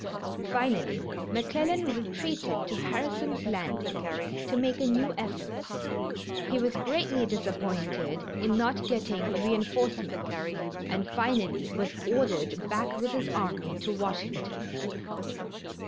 Finally McClellan retreated to Harrison's Landing to make a new effort. He was greatly disappointed in not getting reinforcements, and finally was ordered back with his army to Washington.